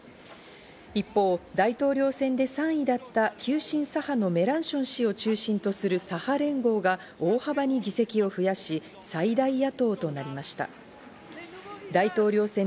一方、大統領選で３位だった急進左派のメランション氏を中心とする左派連合が大幅に議席を増やし、最大野党となりました。